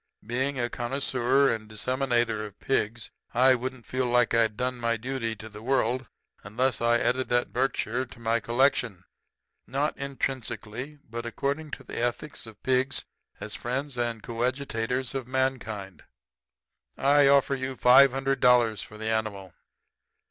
Being a connoisseur and disseminator of pigs, I wouldn't feel like I'd done my duty to the world unless I added that Berkshire to my collection. Not intrinsically, but according to the ethics of pigs as friends and coadjutors of mankind, I offer you five hundred dollars for the animal.'